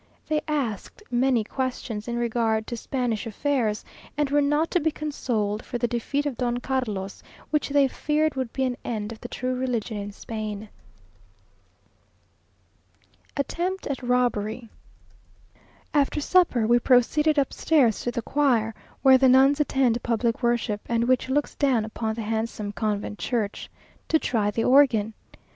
They asked many questions in regard to Spanish affairs, and were not to be consoled for the defeat of Don Carlos, which they feared would be an end of the true religion in Spain. Attempt at Robbery After supper we proceeded upstairs to the choir (where the nuns attend public worship, and which looks down upon the handsome convent church) to try the organ.